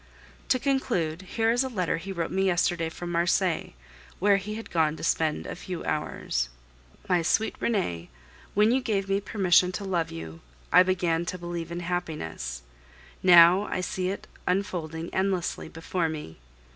To conclude here is a letter he wrote me yesterday from Marseilles, where he had gone to spend a few hours: "MY SWEET RENEE, When you gave me permission to love you, I began to believe in happiness; now, I see it unfolding endlessly before me.